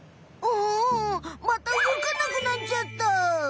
うんまたうごかなくなっちゃった。